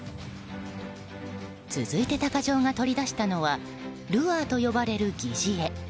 続いて鷹匠が取り出したのはルアーと呼ばれる疑似餌。